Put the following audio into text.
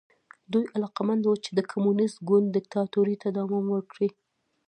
دوی علاقمند وو چې د کمونېست ګوند دیکتاتورۍ ته دوام ورکړي.